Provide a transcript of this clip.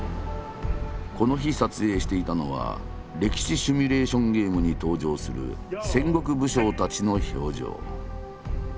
この日撮影していたのは歴史シミュレーションゲームに登場する戦国武将たちの表情。